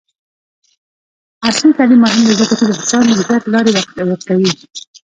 عصري تعلیم مهم دی ځکه چې د فشار مدیریت لارې ورکوي.